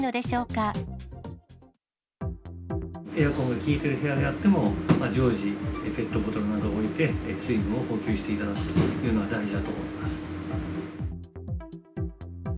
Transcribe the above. エアコンが効いている部屋であっても、常時、ペットボトルなどを置いて、水分を補給していただくということが大事だと思います。